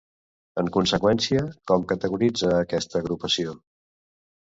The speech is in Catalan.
En conseqüència, com categoritza a aquesta agrupació?